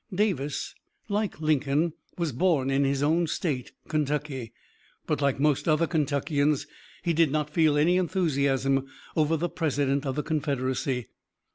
Davis, like Lincoln, was born in his own State, Kentucky, but like most other Kentuckians, he did not feel any enthusiasm over the President of the Confederacy.